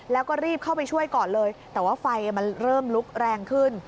แล้วก็รีบเข้าไปช่วยก่อนเลยแต่ว่าไฟมันเริ่มลุกแรงขึ้น